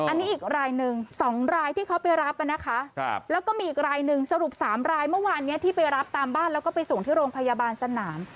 อันนี้อีกรายหนึ่ง๒รายที่เขาไปรับนะคะแล้วก็มีอีกรายหนึ่งสรุป๓รายเมื่อวานนี้ที่ไปรับตามบ้านแล้วก็ไปส่งที่โรงพยาบาลสนาม